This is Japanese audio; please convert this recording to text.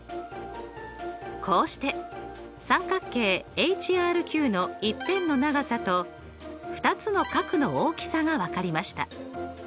こうして三角形ＨＲＱの１辺の長さと２つの角の大きさが分かりました。